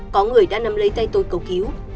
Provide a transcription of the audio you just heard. có người đã nắm lấy tay tôi cầu cứu